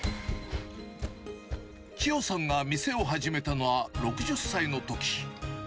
千代さんが店を始めたのは、６０歳のとき。